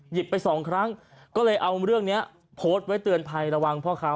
ไปสองครั้งก็เลยเอาเรื่องนี้โพสต์ไว้เตือนภัยระวังพ่อค้า